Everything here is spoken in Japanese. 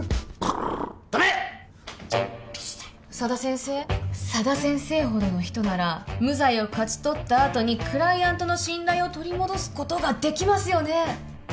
うるさい佐田先生佐田先生ほどの人なら無罪を勝ち取ったあとにクライアントの信頼を取り戻すことができますよね